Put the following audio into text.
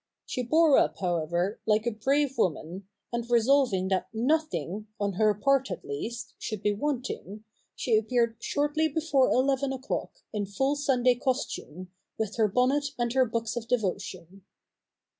She bore up however, like a brave woman, and resolving that nothing, on her part at least, should be wanting, she appeared shortly before eleven o'clock, in full Sunday costume, with her bonnet and her books of devotion.